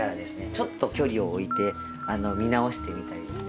ちょっと距離を置いて見直してみたりですね